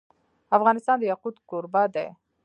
افغانستان د یاقوت کوربه دی.